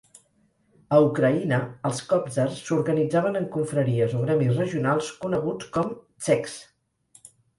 A Ucraïna, els kobzars s"organitzaven en confraries o gremis regionals coneguts com tsekhs.